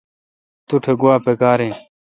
توٹھ گوا پکار این۔